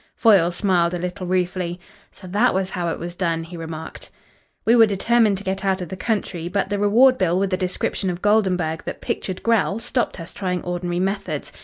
Foyle smiled a little ruefully. "So that was how it was done," he remarked. "We were determined to get out of the country, but the reward bill with a description of Goldenburg that pictured Grell stopped us trying ordinary methods.